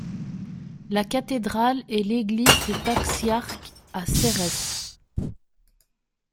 La cathédrale est l'église des Taxiarques à Serrès.